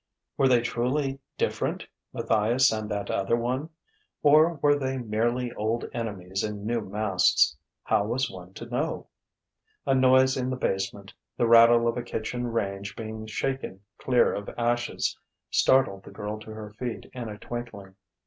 Were they truly different, Matthias and that other one? Or were they merely old enemies in new masks? How was one to know?... A noise in the basement, the rattle of a kitchen range being shaken clear of ashes, startled the girl to her feet in a twinkling.